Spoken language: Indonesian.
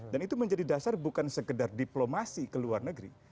dan itu menjadi dasar bukan sekedar diplomasi ke luar negeri